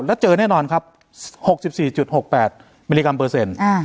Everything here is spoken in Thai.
แล้วเจอแน่นอนครับหกสิบสี่จุดหกแปดมิลลิกรัมเปอร์เซ็นต์อ่า